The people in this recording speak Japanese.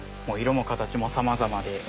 もういろも形もさまざまで。